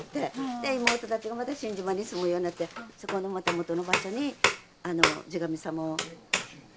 で妹たちがまた新島に住むようになってそこのまたもとの場所に氏神様を。